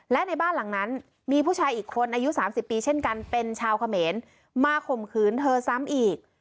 และในบ้านหลังนั้นมีผู้ชายอีกคนอายุ๓๐ปีเช่นกันเป็นชาวเขมรมาข่มขืนเธอซ้ำอีก